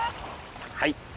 はい。